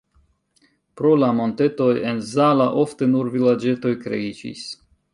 Pro la montetoj en Zala ofte nur vilaĝetoj kreiĝis.